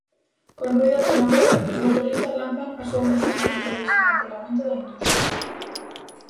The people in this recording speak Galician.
Con ruído atronador, os motoristas lanzan a súa mensaxe contra o desmantelamento da industria.